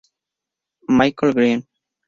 Michael Green